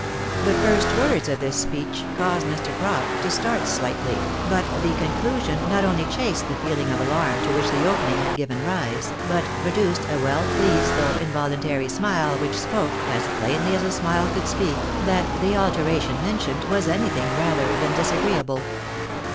The first words of this speech caused Mr. Crop to start, slightly, but the conclusion not only chased the feehng of alarm to which the opening had given rise, but produced a well pleased though involuntary smile, which spoke, as plainly as a smile could speak, that the alteration mentioned was anything rather than dis agreeable.